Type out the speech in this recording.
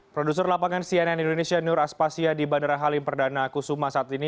produser lapangan cnn indonesia nur aspasya di bandara halim perdana kusuma saat ini